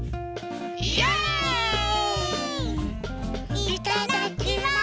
いただきます！